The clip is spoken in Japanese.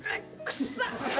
臭っ。